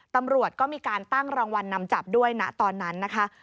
ตำรวจก็มีการตั้งรางวัลนำจับด้วยนะตอนนั้นนะคะ